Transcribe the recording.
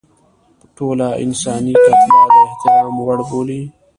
ټوله انساني کتله د احترام وړ بولي.